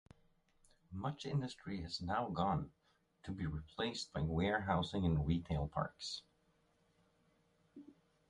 Much industry has now gone, to be replaced by warehousing and retail parks.